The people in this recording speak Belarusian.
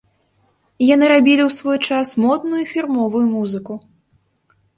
Яны рабілі ў свой час модную і фірмовую музыку.